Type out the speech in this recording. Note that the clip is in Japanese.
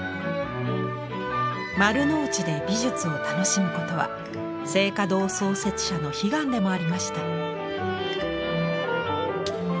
丸の内で美術を楽しむことは静嘉堂創設者の悲願でもありました。